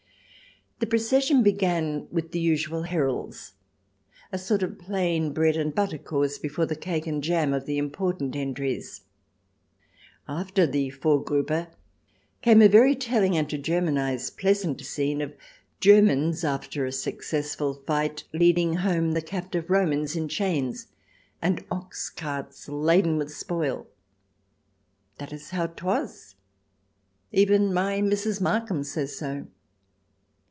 The procession began with the usual heralds, a sort of plain bread and butter course before the cake and jam of the important entries. After the Vorgruppe, came a very telling, and to German eyes pleasant, scene of Germans, after a successful fight leading home the captive Romans in chains, and ox carts laden with spoil. That is how 'twas. Even my Mrs. Markham says so.